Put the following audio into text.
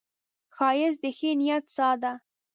ښایست د ښې نیت ساه ده